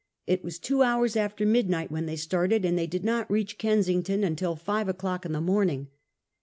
It was two hours after midnight when they started, and they did not reach Kensington until five o'clock in the morning.